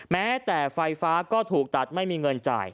แม้แต่ไฟฟ้าก็ถูกตัดไม่มีเงินจ่าย